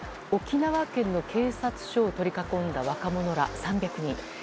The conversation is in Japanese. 沖縄県の警察署を取り囲んだ若者ら３００人。